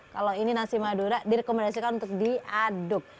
kalau ini nasi madura direkomendasikan untuk diaduk